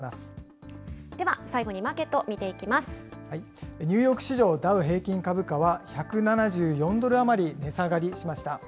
２０２４年問題が迫る中、知恵やでは最後にマーケット見ていニューヨーク市場、ダウ平均株価は、１７４ドル余り値下がりしました。